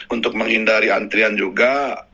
untuk menghindari antrian juga